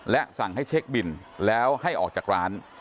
และสั่งให้เช็คบินแล้วให้ออกจากร้าน